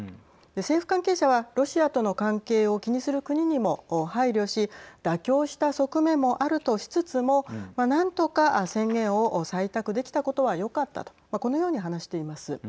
政府関係者はロシアとの関係を気にする国にも配慮し妥協した側面もあるとしつつもなんとか宣言を採択できたことはよかったとこのように話しています。